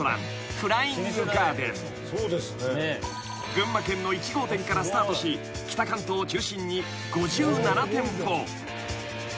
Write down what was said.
［群馬県の１号店からスタートし北関東を中心に５７店舗］